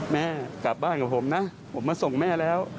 แม่กลับบ้านกับผมนะผมมาส่งแม่แล้ว